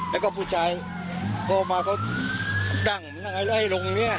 แล้วก็ผู้ชายก็ออกมาก็ดั่งดั่งไว้ลงอย่างเนี้ย